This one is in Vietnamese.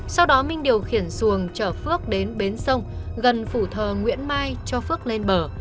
sau đó minh điều khiển xuồng chở phước đến bến sông gần phủ thờ nguyễn mai cho phước lên bờ